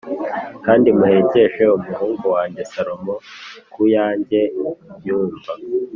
kandi muhekeshe umuhungu wanjye Salomo ku yanjye nyumbu